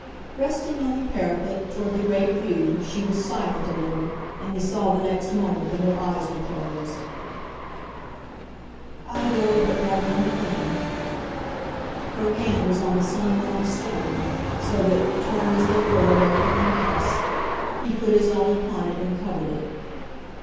Resting on the parapet; toward the great view, she was silent a little, and he saw the next moment that her eyes were closed. "I go but by one thing." Her hand was on the sun warmed stone; so that, turned as they were away from the house, he put his own upon it and covered it.